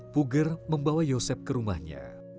puger membawa yosep ke rumahnya